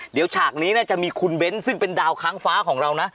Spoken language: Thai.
เดี๋ยวฉากนี้น่าจะมีคุณเบ้นซึ่งเป็นดาวค้างฟ้าของเรานะ